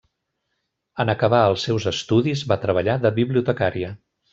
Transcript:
En acabar els seus estudis va treballar de bibliotecària.